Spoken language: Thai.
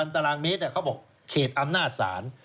ตารางเมตรเขาบอกเขตอำนาจศาล